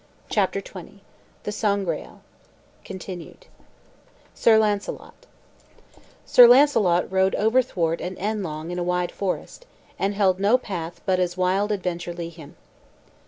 CHAPTER XX THE SANGREAL (Continued) SIR LAUNCELOT Sir Launcelot rode overthwart and endlong in a wide forest, and held no path but as wild adventure lee him.